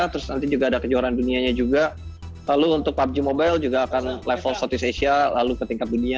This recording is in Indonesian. terus nanti juga ada kejuaraan dunianya juga lalu untuk pubg mobile juga akan level southeast asia lalu ke tingkat dunia